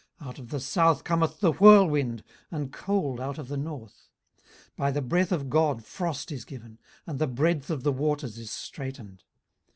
18:037:009 Out of the south cometh the whirlwind: and cold out of the north. 18:037:010 By the breath of God frost is given: and the breadth of the waters is straitened.